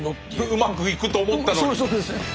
うまくいくと思ったのに。